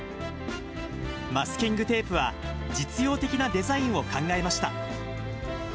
マスキングテープは、実用的なデザインを考えました。